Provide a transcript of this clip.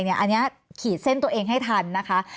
อันนี้ขีดเส้นตัวเองให้ทันนะคะ